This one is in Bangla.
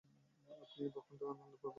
আপনি এই ব্রহ্মাণ্ডের আনন্দময় প্রভু।